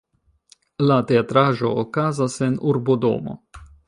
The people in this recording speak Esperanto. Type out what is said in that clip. La teatraĵo okazas en urbodomo.